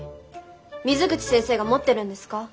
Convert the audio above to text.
水口先生が持ってるんですか？